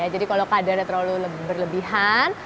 jadi kalau kadarnya terlalu berlebihan